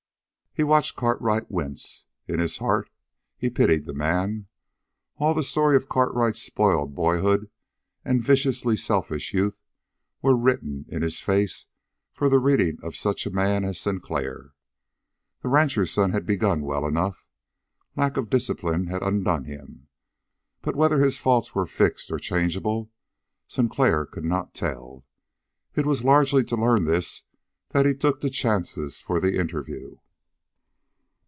He watched Cartwright wince. In his heart he pitied the man. All the story of Cartwright's spoiled boyhood and viciously selfish youth were written in his face for the reading of such a man as Sinclair. The rancher's son had begun well enough. Lack of discipline had undone him; but whether his faults were fixed or changeable, Sinclair could not tell. It was largely to learn this that he took the chances for the interview.